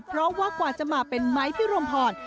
เพราะว่ากว่าจะมาเป็นไม้พิรมพร